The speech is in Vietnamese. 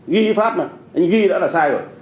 ghi pháp mà anh ghi đã là sai rồi